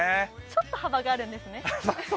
ちょっと幅があるんですね。